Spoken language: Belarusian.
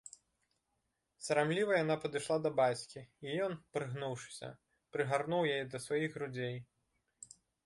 Сарамліва яна падышла да бацькі, і ён, прыгнуўшыся, прыгарнуў яе да сваіх грудзей.